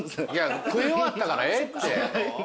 食い終わったからええって。